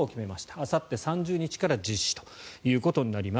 あさって３０日から実施ということになります。